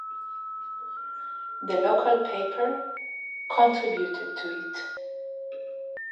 The local paper contributed to it.